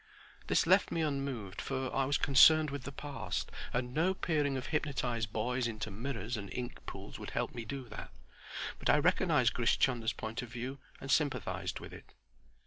This left me unmoved, for I was concerned for the past, and no peering of hypnotized boys into mirrors and ink pools would help me do that. But I recognized Grish Chunder's point of view and sympathized with it.